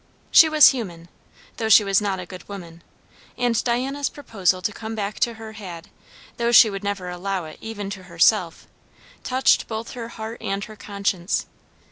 She was human, though she was not a good woman; and Diana's proposal to come back to her had, though she would never allow it even to herself, touched both her heart and her conscience.